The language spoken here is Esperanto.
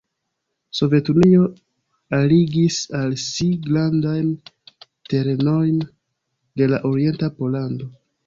Sovetunio aligis al si grandajn terenojn de la orienta Pollando.